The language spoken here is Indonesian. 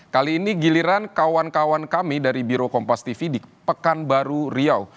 kali ini giliran kawan kawan kami dari biro kompas tv di pekanbaru riau